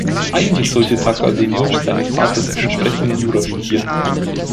Eigentlich sollte Tacca dem Wunsch seines Vaters entsprechend Jura studieren.